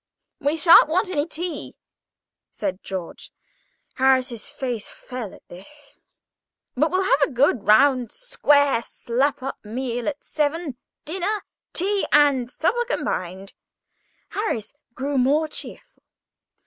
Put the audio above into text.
"We shan't want any tea," said George (Harris's face fell at this); "but we'll have a good round, square, slap up meal at seven—dinner, tea, and supper combined." Harris grew more cheerful.